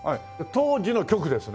当時の曲ですね。